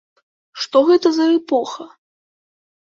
Што гэта за эпоха?